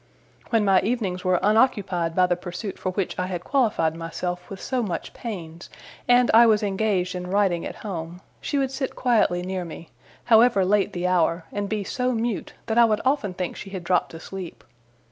When my evenings were unoccupied by the pursuit for which I had qualified myself with so much pains, and I was engaged in writing at home, she would sit quietly near me, however late the hour, and be so mute, that I would often think she had dropped asleep.